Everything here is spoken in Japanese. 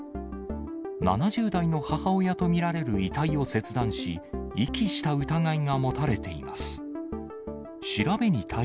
７０代の母親と見られる遺体を切断し、遺棄した疑いが持たれています。